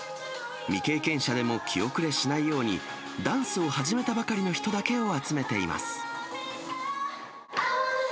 未経験者でも気後れしないように、ダンスを始めたばかりの人だけを集めています。